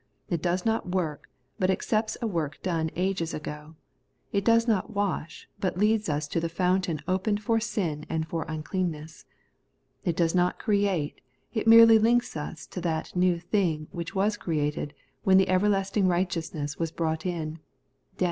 It does not work, but accepts a work done ages ago ; it does not wash, but leads us to the fountain opened for sin and for uncleanness. It does not create ; it merely links us to that new thing which was created when the ' everlasting righteous ness * was brought in (Dan.